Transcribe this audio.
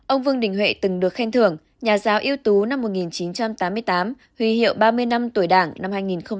ông vương đình huệ từng được khen thưởng nhà giáo yếu tố năm một nghìn chín trăm tám mươi tám huy hiệu ba mươi năm tuổi đảng năm hai nghìn một mươi tám